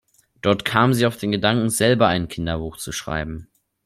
Dort kam sie auf den Gedanken, selber ein Kinderbuch zu schreiben.